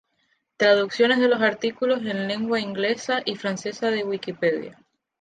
Traducciones de los artículos en lengua inglesa y francesa de Wikipedia.